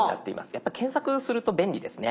やっぱ検索すると便利ですね。